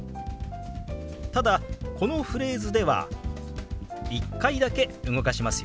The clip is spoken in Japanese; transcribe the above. ただこのフレーズでは１回だけ動かしますよ。